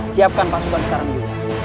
siapkan pasukan sekarang dulu